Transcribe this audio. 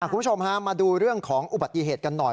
คุณผู้ชมฮะมาดูเรื่องของอุบัติเหตุกันหน่อย